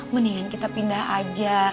mendingan kita pindah aja